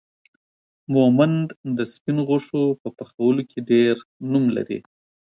مومند دا سپينو غوښو په پخولو کې ډير نوم لري